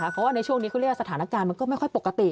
เพราะว่าในช่วงนี้เขาเรียกว่าสถานการณ์มันก็ไม่ค่อยปกติ